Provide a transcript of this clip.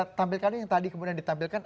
tampilkan yang tadi kemudian ditampilkan